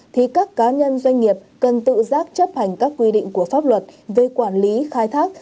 thì các cá nhân doanh nghiệp cần tự giác chấp hành các quy định của pháp luật về quản lý khai thác